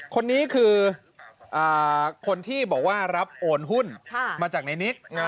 คนนี้คือคนที่บอกว่ารับโอนหุ้นมาจากในนิก